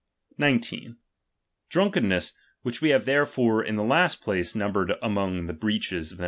Drunkenness, which we have therefore iDAimofua the last place numbered among the breaches of the